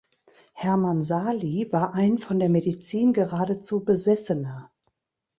Hermann Sahli war ein von der Medizin geradezu Besessener.